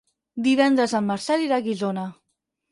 Divendres en Marcel irà a Guissona.